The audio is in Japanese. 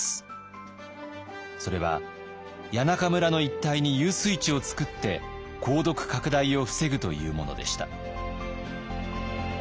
それは谷中村の一帯に遊水池を作って鉱毒拡大を防ぐというものでした。